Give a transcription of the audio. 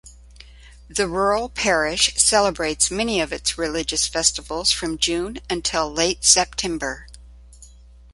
The rural parish celebrates many of its religious festivals from June until late September.